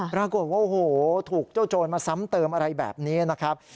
ปรากฏว่าโอ้โหถูกเจ้าโจรมาซ้ำเติมอะไรแบบนี้นะครับ